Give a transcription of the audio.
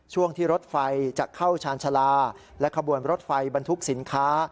ช่วงที่รถไฟจะเข้าชาญชาลาและขบวนรถไฟบรรทุกสินค้า